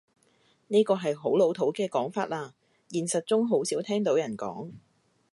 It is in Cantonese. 呢個係好老土嘅講法喇，現實中好少聽到人講